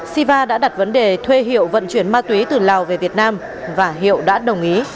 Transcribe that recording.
siva đã đặt vấn đề thuê hiệu vận chuyển ma túy từ lào về việt nam và hiệu đã đồng ý